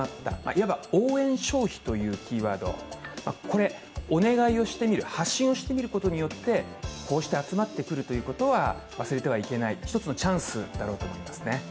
いわば応援消費というキーワード、お願いをしてみる、発信をしてみることによってこうして集まってくることは忘れてはいけない、１つのチャンスだろうと思いますね